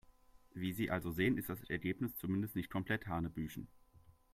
Wie Sie also sehen, ist das Ergebnis zumindest nicht komplett hanebüchen.